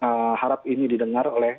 nah itu yang saya harap ini didengar oleh